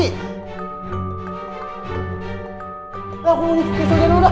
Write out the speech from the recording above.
engga aku mau nyusul nyusul aja udah